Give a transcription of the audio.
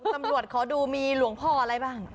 ตำรวจขอดูมีหลวงพ่ออะไรบ้าง